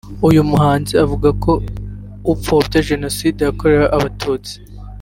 uyu muhanzi avuga ko upfobya Jenoside yakorewe abatutsi